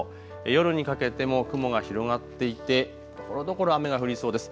夜にかけても雲が広がっていてところどころ雨が降りそうです。